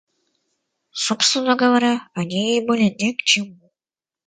Собственно говоря, они ей были ни к чему.